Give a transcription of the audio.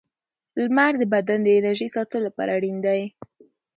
• لمر د بدن د انرژۍ ساتلو لپاره اړین دی.